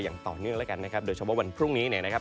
อย่างต่อเนื่องนะคะโดยเฉพาะวันพรุ่งนี้นะครับ